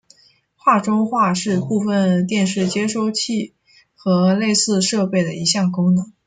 画中画是部分电视接收器和类似设备的一项功能。